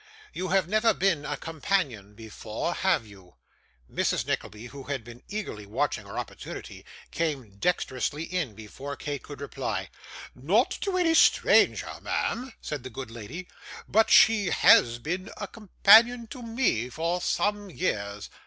You have never been a companion before, have you?' Mrs. Nickleby, who had been eagerly watching her opportunity, came dexterously in, before Kate could reply. 'Not to any stranger, ma'am,' said the good lady; 'but she has been a companion to me for some years.